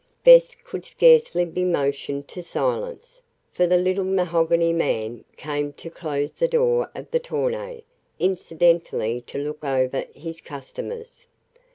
Bess could scarcely be motioned to silence, for the "little mahogany man" came to close the door of the tonneau, incidentally to look over his customers.